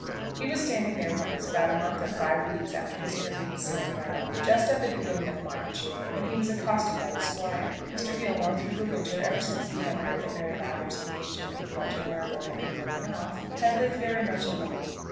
He was standing there once, about a month or five weeks after his interview with Sam Brattle, just at the beginning of March, when he was accosted by the Squire. Mr. Gilmore, through the winter, ever since he had heard that Mary Lowther's engagement with Walter Marrable had been broken off, had lived very much alone.